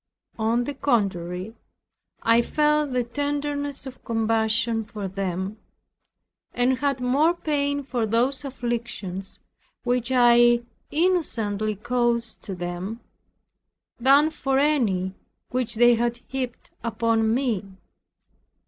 On the contrary, I felt the tenderness of compassion for them, and had more pain for those afflictions which I innocently caused to them, than for any which they had heaped upon me.